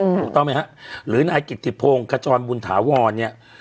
ถูกต้องไหมฮะหรือนายกิติพงศ์ขจรบุญถาวรเนี่ย